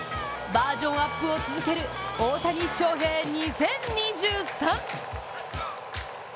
バージョンアップを続ける大谷翔平２０２３！